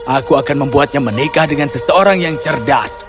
aku akan membuatnya menikah dengan seseorang yang cerdas